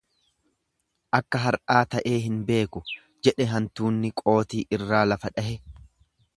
Akka har'aa ta'ee hin beeku, jedhe hantuunni qooxii irraa lafa dhahe.